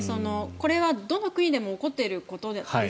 これはどの国でも起こっていることです。